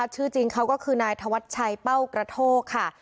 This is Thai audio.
ชื่อจริงเขาก็คือนายธวัชชัยเป้ากระโทกค่ะ